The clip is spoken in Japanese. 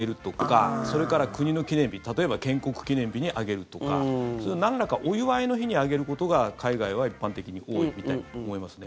例えば、年末年始ニュー・イヤーズ・デーに上げるとかそれから国の記念日例えば建国記念日に上げるとかそういう、なんらかお祝いの日に上げることが海外は一般的に多いみたいに思いますね。